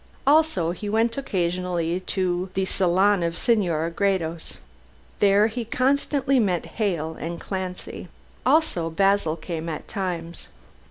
Also, he went occasionally to the salon of Senora Gredos. There he constantly met Hale and Clancy. Also Basil came at times.